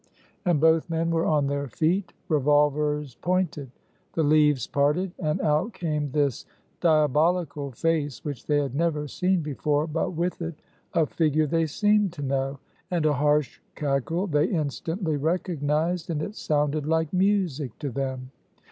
And both men were on their feet, revolvers pointed. The leaves parted, and out came this diabolical face which they had never seen before, but with it a figure they seemed to know, and a harsh cackle they instantly recognized, and it sounded like music to them.